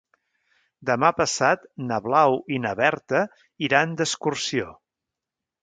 Demà passat na Blau i na Berta iran d'excursió.